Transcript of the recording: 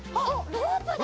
ロープだ！